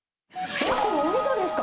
えっ、これおみそですか？